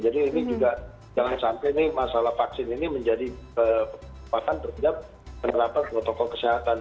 jadi ini juga jangan sampai ini masalah vaksin ini menjadi kelepahan terhadap penerapan protokol kesehatan